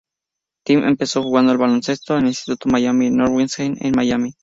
Tim empezó jugando al baloncesto en el Instituto Miami Northwestern, en Miami.